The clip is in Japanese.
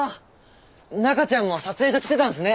中ちゃんも撮影所来てたんすね。